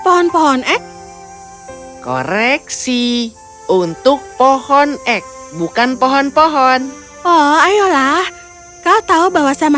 pohon pohon ek koreksi untuk pohon ek bukan pohon pohon oh ayolah kau tahu bahwa sama